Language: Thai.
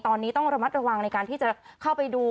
ตอนนี้ต้องระมัดระวังในการที่จะเข้าไปดู